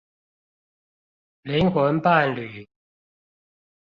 靈魂伴侶